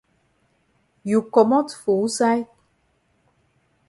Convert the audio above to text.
You komot for wusaid?